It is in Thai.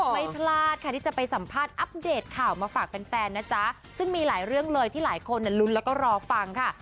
ไม่พลาดค่ะที่จะไปสัมภาษณ์อัปเดตข่าวมาฝากแฟนนะจ๊ะซึ่งมีหลายเรื่องเลยที่หลายคนลุ้นแล้วก็รอฟังค่ะ